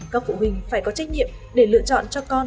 các phụ huynh phải có trách nhiệm để lựa chọn cho con